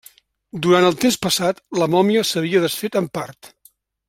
Durant el temps passat, la mòmia s'havia desfet en part.